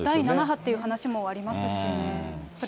第７波っていう話もありますしね。